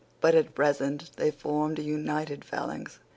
But at present they formed an united phalanx.